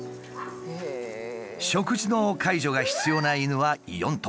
食事の介助が必要な犬は４頭。